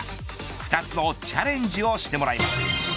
２つのチャレンジをしてもらいます。